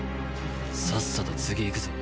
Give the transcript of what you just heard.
さっさと次行くぞ。